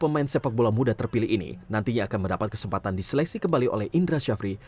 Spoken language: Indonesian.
pemain sepak bola muda terpilih ini nantinya akan mendapat kesempatan diseleksi kembali oleh indra syafri